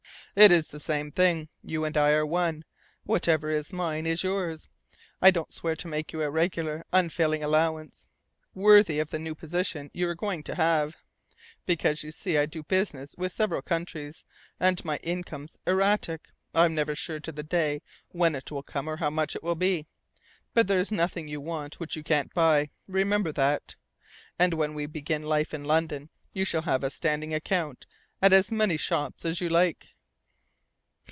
"It's the same thing. You and I are one. Whatever is mine is yours. I don't swear to make you a regular, unfailing allowance worthy of the new position you're going to have, because you see I do business with several countries, and my income's erratic; I'm never sure to the day when it will come or how much it will be. But there's nothing you want which you can't buy; remember that. And when we begin life in London, you shall have a standing account at as many shops as you like."